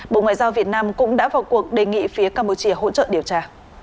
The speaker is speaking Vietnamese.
bộ ngoại giao việt nam cũng đã vào cuộc đề nghị phía campuchia hỗ trợ điều tra